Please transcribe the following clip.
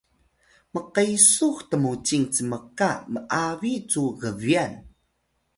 mqesux tmucing cmka m’abi cu gbyan